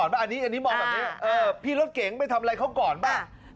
แบบนี้พี่รถเก๋งไปทำอะไรเขาก่อนบ้าง